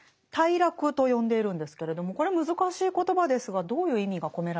「頽落」と呼んでいるんですけれどもこれ難しい言葉ですがどういう意味が込められているんでしょうか？